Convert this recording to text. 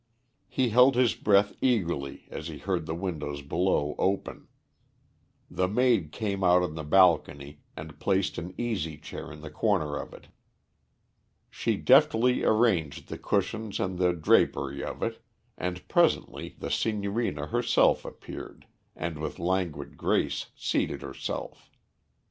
He held his breath eagerly as he heard the windows below open. The maid came out on the balcony and placed an easy chair in the corner of it. She deftly arranged the cushions and the drapery of it, and presently the Signorina herself appeared, and with languid grace seated herself.